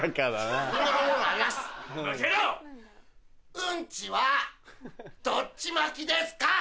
ウンチはどっち巻きですか？